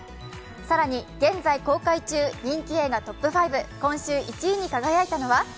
更に現在公開中、人気映画トップ５、今週１位に輝いたのは？